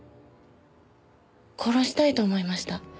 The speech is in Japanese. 殺したいと思いました。